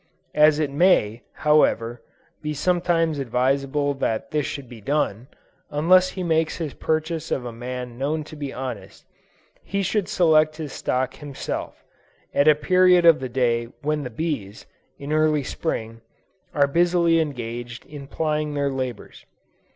As it may, however, be sometimes advisable that this should be done, unless he makes his purchase of a man known to be honest, he should select his stock himself, at a period of the day when the bees, in early Spring, are busily engaged in plying their labors.